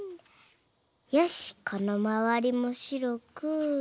よしこのまわりもしろく。